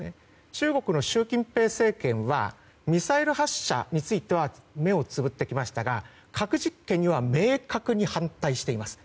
中国の習近平政権はミサイル発射については目をつむってきましたが核実験には明確に反対しています。